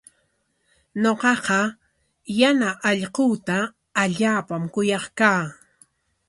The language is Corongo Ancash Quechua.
Ñuqaqa yana allquuta allaapam kuyaq kaa.